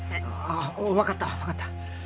ああ分かった分かった